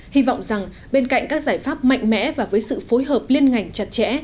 hy vọng rằng bên cạnh các giải pháp mạnh mẽ và với sự phối hợp liên ngành chặt chẽ